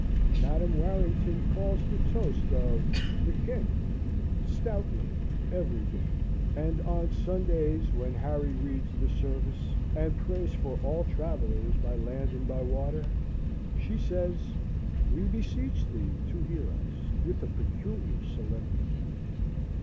Madam Warrington calls the toast of "The King" stoutly every day; and, on Sundays, when Harry reads the service, and prays for all travellers by land and by water, she says, "We beseech Thee to hear us," with a peculiar solemnity.